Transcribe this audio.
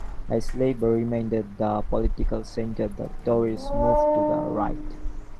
As Labour remained at the political centre, the Tories moved to the right.